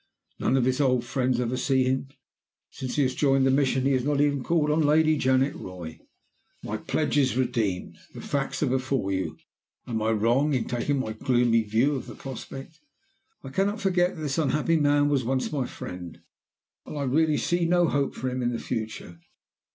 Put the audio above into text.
None of his old friends ever see him. Since he joined the Mission he has not even called on Lady Janet Roy. "My pledge is redeemed the facts are before you. Am I wrong in taking my gloomy view of the prospect? I cannot forget that this unhappy man was once my friend, and I really see no hope for him in the future.